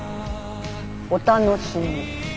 お楽しみ。